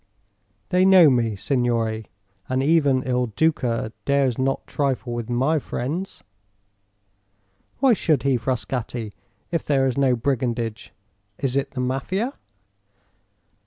They know me, signore, and even Il Duca dares not trifle with my friends." "Why should he, Frascatti, if there is no brigandage? Is it the Mafia?"